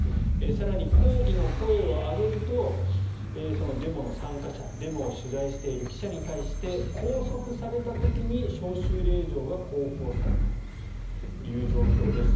更に、抗議の声を上げるとデモの参加者デモを取材している記者に対して拘束された時に招集令状が交付されたという状況です。